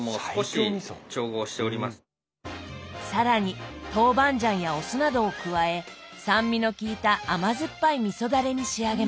更に豆板醤やお酢などを加え酸味の効いた甘酸っぱいみそダレに仕上げます。